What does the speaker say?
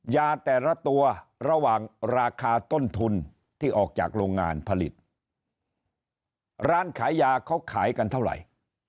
ยาแต่ละตัวระหว่างราคาต้นทุนที่ออกจากโรงงานผลิตร้านขายยาเขาขายกันเท่าไหร่